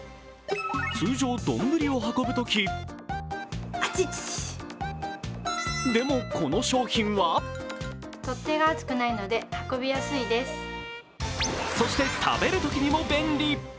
通常、丼を運ぶときでも、この商品はそして、食べるときにも便利。